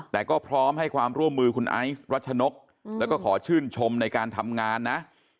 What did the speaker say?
แต่ก็พร้อมให้ความร่วมมือคุณไอซ์รัชนกแล้วก็ขอชื่นชมในการทำงานนะ